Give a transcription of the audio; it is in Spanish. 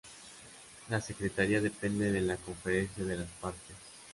La secretaría depende de la Conferencia de las Partes.